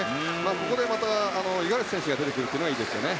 ここでまた、五十嵐選手が出てくるのはいいですね。